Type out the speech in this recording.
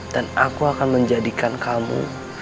dan aku akan menjadikan kamu